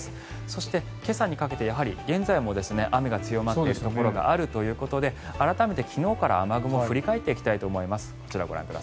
そして今朝にかけて現在も雨が強まっているところがあるということで改めて昨日から雨雲振り返っていきたいと思います。